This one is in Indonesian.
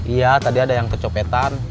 iya tadi ada yang kecopetan